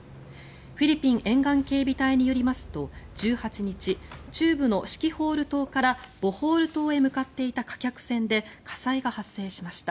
フィリピン沿岸警備隊によりますと、１８日中部のシキホール島からボホール島へ向かっていた貨客船で火災が発生しました。